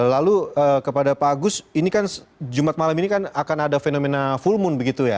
lalu kepada pak agus jumat malam ini akan ada fenomena full moon